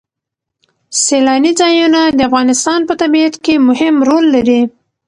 سیلانی ځایونه د افغانستان په طبیعت کې مهم رول لري.